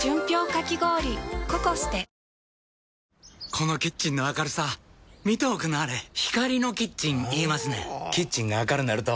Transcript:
このキッチンの明るさ見ておくんなはれ光のキッチン言いますねんほぉキッチンが明るなると・・・